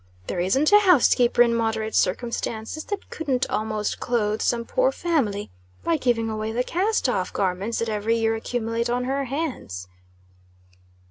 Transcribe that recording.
There isn't a housekeeper in moderate circumstances that couldn't almost clothe some poor family, by giving away the cast off garments that every year accumulate on her hands."